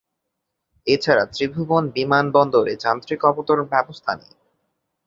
এছাড়া ত্রিভুবন বিমানবন্দরে ‘যান্ত্রিক অবতরন ব্যবস্থা’ নেই।